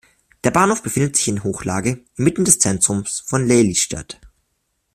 Der Bahnhof befindet sich in Hochlage, inmitten des Zentrums von Lelystad.